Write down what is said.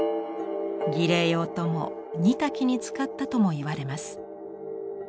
儀礼用とも煮炊きに使ったともいわれます。